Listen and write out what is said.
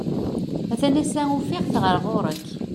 A-t-an ass-a ufiɣ-t ɣer ɣur-k.